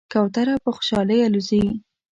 کوتره په خوشحالۍ الوزي.